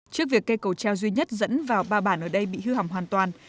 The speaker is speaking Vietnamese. trước việc cây cầu treo duy nhất dẫn vào ba bản ở đây bị hư hỏng hoàn toàn